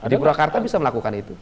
di purwakarta bisa melakukan itu